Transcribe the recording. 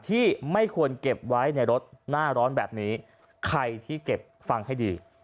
ที่ไม่ควรเก็บไว้ในรถหน้าร้อนแบบนี้ใครที่เก็บฟังให้ดี